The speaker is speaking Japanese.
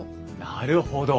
なるほど。